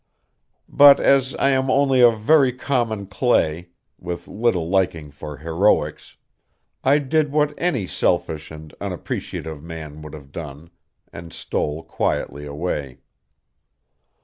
But as I am only of very common clay, with little liking for heroics, I did what any selfish and unappreciative man would have done, and stole quietly away.